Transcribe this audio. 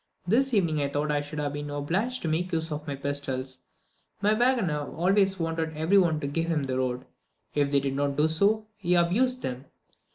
This evening I thought that I should have been obliged to make use of my pistols. My waggoner always wanted every one to give him the road; if they did not do so, he abused them.